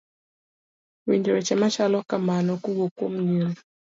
winjo weche machalo kamano kawuok kuom nyiri